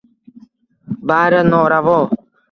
bari noravo